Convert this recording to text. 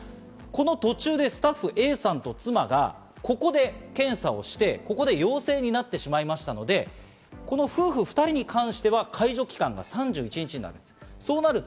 この途中でスタッフＡさんと妻がここで検査をして陽性になってしまいましたので、夫婦２人に関しては解除期間が３１日になります。